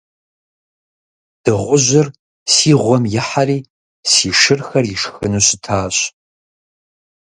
Дыгъужьыр си гъуэм ихьэри си шырхэр ишхыну щытащ!